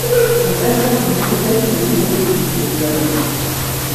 On dresse l'acte de décès sur le livre d'écrou, continua Massot.